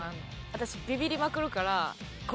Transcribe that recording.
私ビビりまくるから。